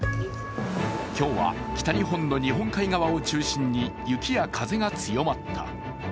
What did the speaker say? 今日は北日本の日本海側を中心に雪や風が強まった。